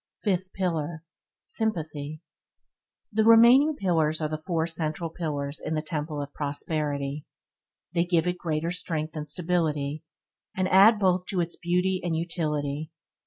Fifth pillar – Sympathy The remaining pillars are the four central pillars in the Temple of Prosperity. They gave it greater strength and stability, and add both to its beauty and utility.